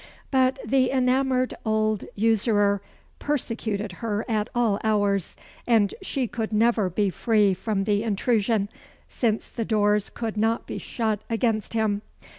But the enamoured old usurer persecuted her at all hours, and she could never be free from the intrusion, since the doors could not be shut against him.